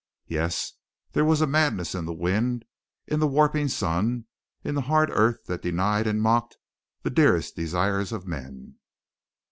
Yes, there was madness in the wind, in the warping sun, in the hard earth that denied and mocked the dearest desires of men.